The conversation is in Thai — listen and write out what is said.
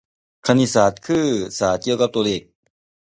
คณิตศาสตร์คือศาสตร์เกี่ยวกับตัวเลข